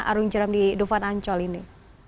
arung jeram di dovan ancol ini